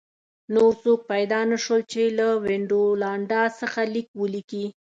نور څوک پیدا نه شول چې له وینډولانډا څخه لیک ولیکي